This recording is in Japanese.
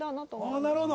ああなるほど。